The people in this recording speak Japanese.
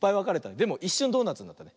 でもいっしゅんドーナツになったね。